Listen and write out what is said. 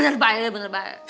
jangan nyerba ya